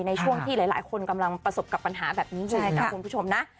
ในช่วงที่หลายคนกำลังประสบกับปัญหาอยู่